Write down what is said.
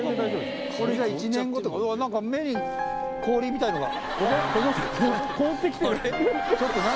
これじゃあ１年後うわっ何か目に氷みたいのが。